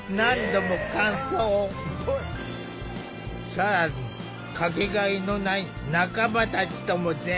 更に掛けがえのない仲間たちとも出会えた。